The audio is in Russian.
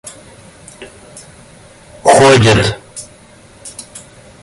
ходят